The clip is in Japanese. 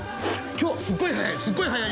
「今日はすっごい速い。